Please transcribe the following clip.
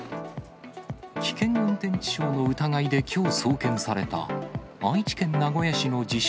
危険運転致傷の疑いで、きょう送検された、愛知県名古屋市の自称